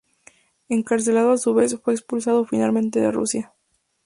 Encarcelado a su vez, fue expulsado finalmente de Rusia.